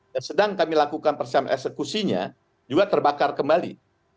yang sedang kami lakukan persiapan eksekusinya juga terbakar kembali